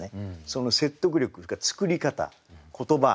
その説得力それから作り方言葉。